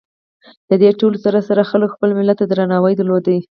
د دې ټولو سره سره خلکو خپل ملت ته درناوي درلود.